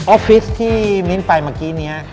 อฟฟิศที่มิ้นท์ไปเมื่อกี้นี้